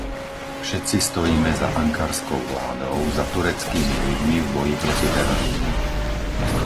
Všetci stojíme za ankarskou vládou, za tureckými ľuďmi v boji proti terorizmu.